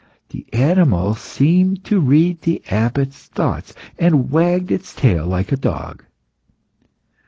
The animal seemed to read the Abbot's thoughts, and wagged its tail like a dog.